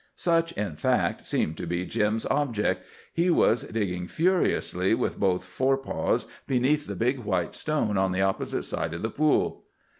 Such, in fact, seemed to be Jim's object. He was digging furiously with both forepaws beneath the big white stone on the opposite side of the pool.